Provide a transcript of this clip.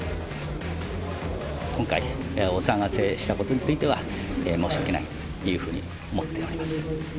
今回、お騒がせしたことについては、申し訳ないというふうに思っております。